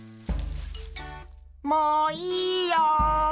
もういいよ。